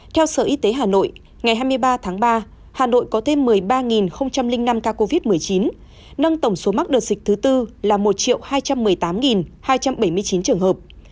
theo sở y tế hà nội ngày hai mươi ba tháng ba hà nội có thêm một mươi ba năm ca covid một mươi chín nâng tổng số mắc đợt dịch thứ tư là một hai trăm một mươi tám hai trăm bảy mươi chín trường hợp